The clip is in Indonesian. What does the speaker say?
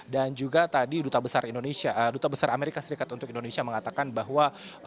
dan juga tadi duta besar amerika serikat untuk indonesia mengatakan bahwa